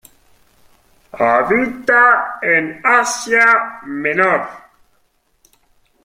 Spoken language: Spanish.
Habita en Asia Menor.